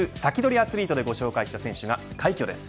アツリートでご紹介した選手が快挙です。